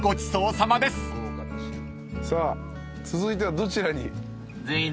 さあ続いてはどちらに？